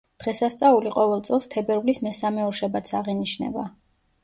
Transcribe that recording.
დღესასწაული ყოველ წელს თებერვლის მესამე ორშაბათს აღინიშნება.